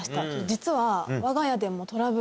実は。